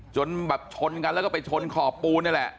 จนแบบชนกันแล้วก็ไปชนขอบปูนนี่แหละ